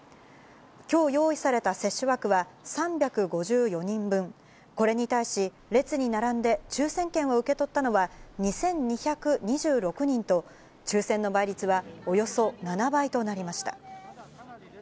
きょう用意された接種枠は３５４人分、これに対し、列に並んで抽せん券を受け取ったのは２２２６人と、抽せんの倍率はおよそ７倍となりました。